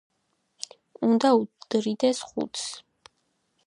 უნდა უდრიდეს ხუთს.